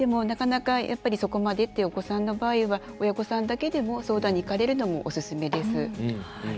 なかなか、やっぱりそこまでというお子さんの場合は親御さんだけでも相談に行かれるのもおすすめです。